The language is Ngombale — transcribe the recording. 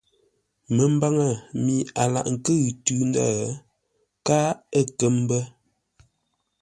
Məmbaŋə mi a laghʼ nkʉ̂ʉ tû-ndə̂ káa ə̂ kə́ mbə̂.